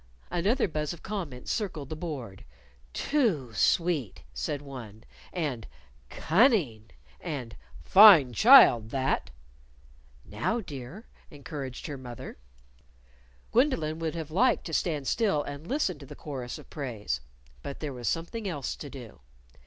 Another buzz of comment circled the board. "Too sweet!" said one; and, "Cunning!" and "Fine child, that!" "Now, dear," encouraged her mother. Gwendolyn would have liked to stand still and listen to the chorus of praise. But there was something else to do.